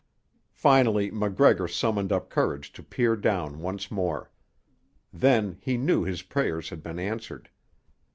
Finally MacGregor summoned up courage to peer down once more. Then he knew his prayers had been answered.